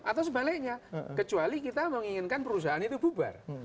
atau sebaliknya kecuali kita menginginkan perusahaan itu bubar